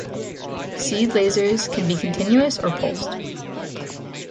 Seed lasers can be continuous or pulsed.